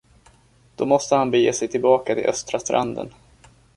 Då måste han bege sig tillbaka till östra stranden.